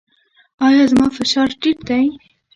ایا زما فشار ټیټ دی؟